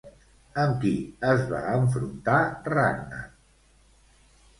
Amb qui es va enfrontar Ragnar?